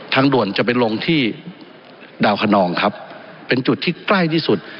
ทางด่วนจะไปลงที่ดาวคนนองครับเป็นจุดที่ใกล้ที่สุด